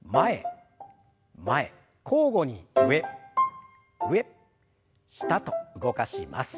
交互に上上下と動かします。